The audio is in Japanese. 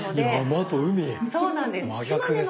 真逆ですか！